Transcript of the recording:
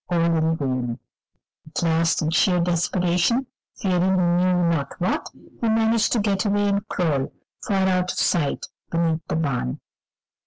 All in vain; at last, in sheer desperation, fearing he knew not what, he managed to get away and crawl far out of sight beneath the barn.